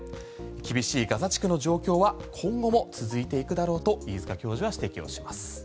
厳しいガザ地区の状況は今後も続いていくだろうと飯塚教授は指摘をします。